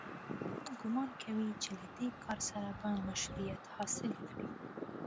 نظام ګومان کوي چې له دې کار سره به مشروعیت حاصل کړي